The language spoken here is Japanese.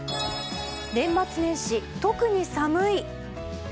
年末年始、特に寒い。